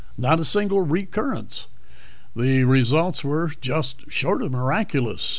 Not a single recurrence. The results were just short of miraculous."